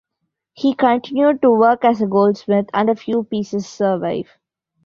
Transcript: He continued to work as a goldsmith and a few pieces survive.